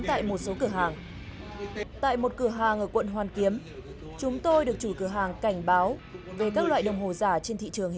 di chuyển đến một cửa hàng khác chúng tôi được quảng cáo là hàng chính hãng